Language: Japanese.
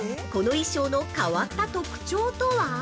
この衣装の変わった特徴とは？